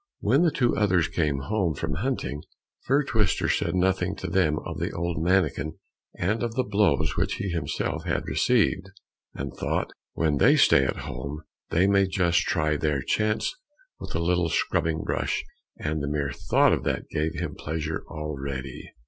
When the two others came home from hunting, Fir twister said nothing to them of the old mannikin and of the blows which he himself had received, and thought, "When they stay at home, they may just try their chance with the little scrubbing brush;" and the mere thought of that gave him pleasure already.